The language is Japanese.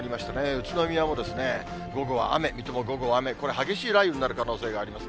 宇都宮も午後は雨、水戸も午後は雨、これ激しい雷雨になる可能性があります。